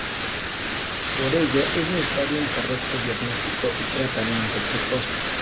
Por ello es necesario un correcto diagnóstico y tratamiento precoz.